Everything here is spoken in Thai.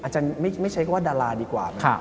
อาจารย์ไม่ใช่ก็ว่าดาราดีกว่า